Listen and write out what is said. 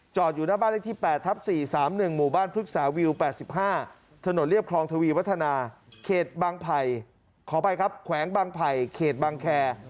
อยู่หน้าบ้านเลขที่๘ทับ๔๓๑หมู่บ้านพฤกษาวิว๘๕ถนนเรียบคลองทวีวัฒนาเขตบางไผ่ขออภัยครับแขวงบางไผ่เขตบางแคร์